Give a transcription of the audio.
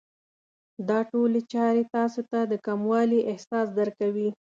دا ټولې چارې تاسې ته د کموالي احساس درکوي.